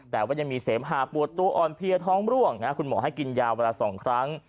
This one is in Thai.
แต่ว่ายังมีเสมหาปวดตัวอ่อนเพลียท้องร่วงคุณหมอให้กินยาเวลา๒ครั้ง